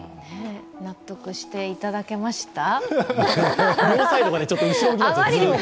納得していただけました？